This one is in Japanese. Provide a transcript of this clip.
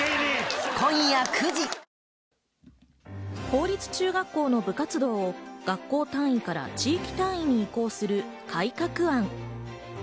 公立中学校の部活動を学校単位から地域単位に移行する改革案。